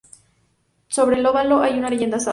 Sobre el óvalo hay una leyenda, "Salto".